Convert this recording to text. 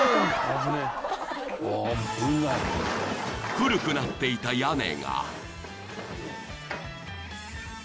［古くなっていた屋根が］